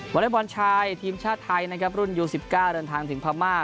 วอเรย์บอลชายทีมชาติไทยรุ่นยู๑๙เริ่มทางถึงพม่า